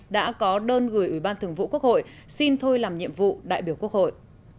đã có đơn gửi ủy ban thường vụ quốc hội xin thôi làm nhiệm vụ đại biểu quốc hội